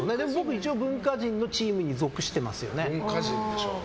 一応文化人のチームに属していますよね。